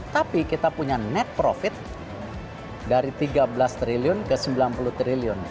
tapi kita punya net profit dari tiga belas triliun ke sembilan puluh triliun